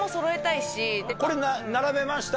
これ並べました